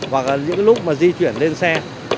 hoặc là những lúc mà di chuyển lên xe